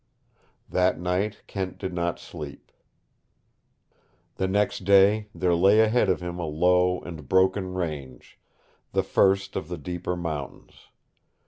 That night Kent did not sleep. The next day there lay ahead of him a low and broken range, the first of the deeper mountains.